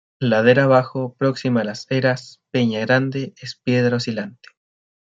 Ladera abajo, próxima a Las Eras, Peña Grande, es piedra oscilante.